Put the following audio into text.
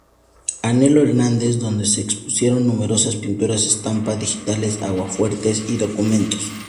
Anhelo Hernández" donde se expusieron numerosas pinturas, estampas digitales, aguafuertes y documentos.